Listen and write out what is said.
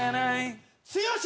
剛！